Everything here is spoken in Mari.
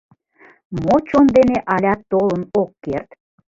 Мо чон дене алят толын ок керт?